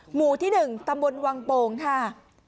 หมู่ที่๑ตำบลวังโป่งค่ะ